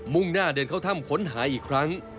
่งหน้าเดินเข้าถ้ำค้นหาอีกครั้ง